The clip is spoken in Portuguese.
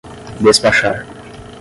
despachar